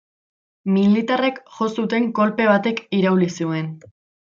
Militarrek jo zuten kolpe batek irauli zuen.